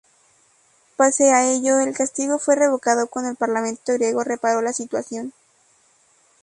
Pese a ello, el castigo fue revocado cuando el parlamento griego reparó la situación.